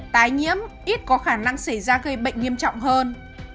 tái nhiễm ít có khả năng xảy ra gây bệnh nghiêm trọng hơn